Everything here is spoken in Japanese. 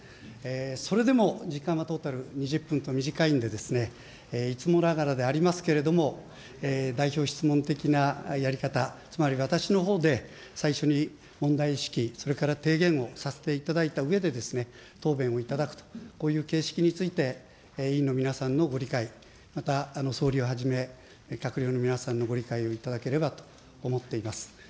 それでも時間はトータル２０分と短いんで、いつもながらでありますけれども、代表質問的なやり方、つまり私のほうで最初に問題意識、それから提言をさせていただいたうえで、答弁をいただくと、こういう形式について委員の皆さんのご理解、また総理をはじめ、閣僚の皆さんのご理解をいただければと思っています。